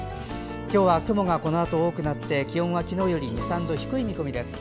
今日は雲がこのあと多くなって気温は昨日より２３度低い見込みです。